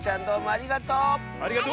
ありがとう！